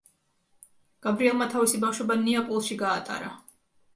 გაბრიელმა თავისი ბავშვობა ნეაპოლში გაატარა.